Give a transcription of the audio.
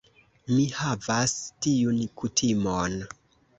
Mi havas tiun kutimon.